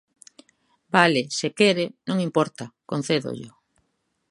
Vale, se quere, non importa, concédollo.